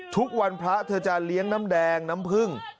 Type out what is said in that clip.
ทุกวันพระเธอจะเลี้ยงน้ำแดงน้ำผึ้ง